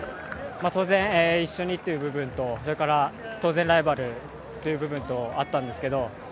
当然一緒に、という部分とそれから、当然、ライバルという部分があったんですけど